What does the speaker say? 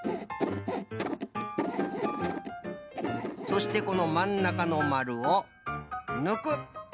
そしてこのまんなかのまるをぬく。